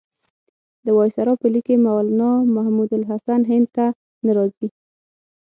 د وایسرا په لیک کې مولنا محمودالحسن هند ته نه راځي.